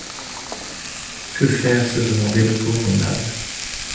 Que faire se demandait le pauvre Nab